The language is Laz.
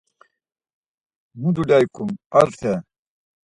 Mu dulya ikum, Arte?